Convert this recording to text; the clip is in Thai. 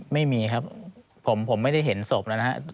ไม่มีครับผมไม่ได้เห็นศพแล้วนะครับ